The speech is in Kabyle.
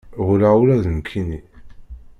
Ɣulleɣ ula d nekkinni.